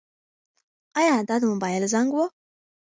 ایا دا د موبایل زنګ و؟